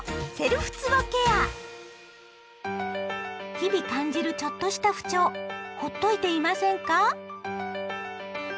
日々感じるちょっとした不調ほっといていませんか？